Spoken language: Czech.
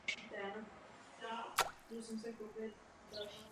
Z měst se v éře průmyslové civilizace stávají ekonomická centra lidské aktivity.